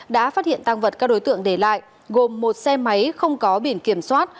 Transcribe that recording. đã phát hiện tăng vật các đối tượng để lại gồm một xe máy không có biển kiểm soát